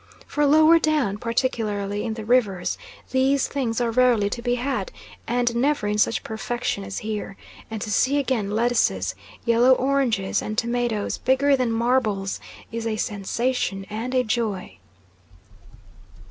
For lower down, particularly in "the Rivers," these things are rarely to be had, and never in such perfection as here; and to see again lettuces, yellow oranges, and tomatoes bigger than marbles is a sensation and a joy.